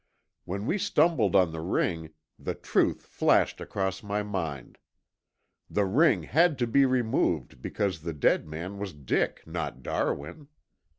When we stumbled on the ring, the truth flashed across my mind. The ring had to be removed because the dead man was Dick, not Darwin.